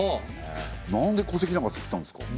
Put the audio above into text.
なんで戸籍なんかつくったんですか？